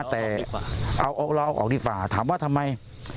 แต่เอาออกที่ฝ่าถามว่าทำไม